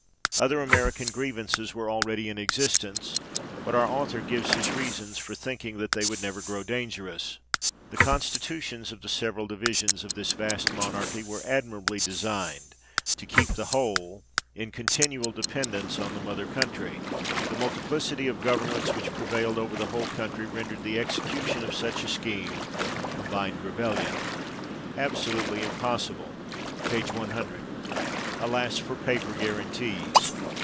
Other American grievances were already in existence, but our author gives his reasons for thinking that they would never grow dangerous. " The constitutions of the several divisions of this vast monarchy were admirably designed to keep the whole in continual dependence on the mother country. ... The multiplicity of governments which prevailed over the whole country rendered the execution of such a scheme [combined rebellion] absolutely im possible " (p. 100). Alas for paper guarantees